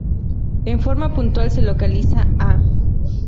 En forma puntual se localiza a:.